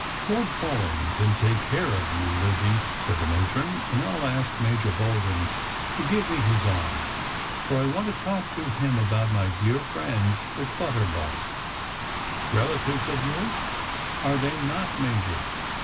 " Lord Paulyn can take care of you, Lizzie," said the matron, " and I'll ask Major Bolding to give me his arm ; for I want to talk to him about my dear friends, the Clutterbucks. Relatives of yours, are they not. Major?"